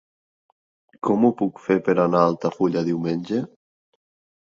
Com ho puc fer per anar a Altafulla diumenge?